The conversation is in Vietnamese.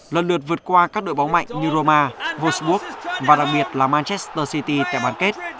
lần lượt vượt qua các đội bóng mạnh như romasburg và đặc biệt là manchester city tại bán kết